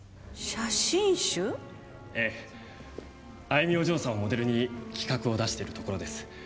愛美お嬢さんをモデルに企画を出しているところです。